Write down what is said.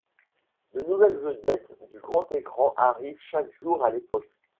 De nouvelles vedettes du grand écran arrivent chaque jour à l'époque.